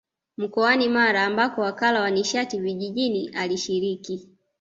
Mkoani Mara ambako Wakala wa Nishati Vijijini alishiriki